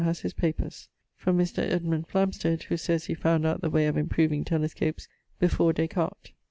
haz his papers. From Mr. Edmund Flamsted, who sayes he found out the way of improveing telescopes before Des Cartes.